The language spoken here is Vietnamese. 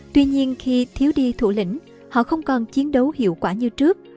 tuy nhiên khi thiếu đi thủ lĩnh họ không còn chiến đấu hiệu quả như trước